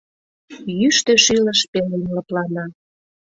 Йӱштö шӱлыш пелен лыплана.